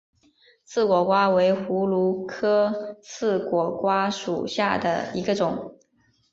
刺果瓜为葫芦科刺果瓜属下的一个种。